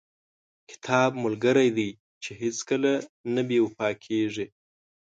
• کتاب ملګری دی چې هیڅکله نه بې وفا کېږي.